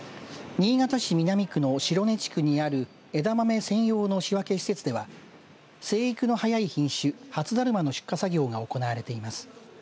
新潟市南区の白根地区にある枝豆専用の仕分け施設では生育の早い品種、初だるまの出荷作業が行われています。